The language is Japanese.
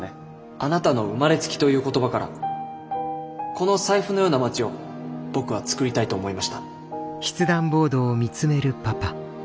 あなたの「生まれつき」という言葉からこの財布のような街を僕は作りたいと思いました。